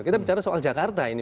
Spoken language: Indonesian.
kita bicara soal jakarta ini